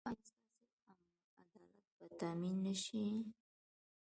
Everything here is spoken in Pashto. ایا ستاسو عدالت به تامین نه شي؟